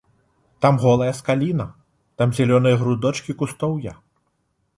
Там голая скаліна, там зялёныя грудочкі кустоўя.